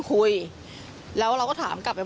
โทรศัพท์โทรศัพท์